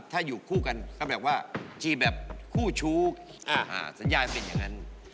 ถ้าอยู่คู่กันก็แบบว่าจีบแบบคู่ชู้สัญญาณเป็นอย่างนั้น